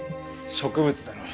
植物だろう？